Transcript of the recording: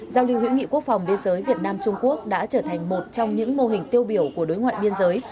giao lưu hữu nghị quốc phòng biên giới việt nam trung quốc đã trở thành một trong những mô hình tiêu biểu của đối ngoại biên giới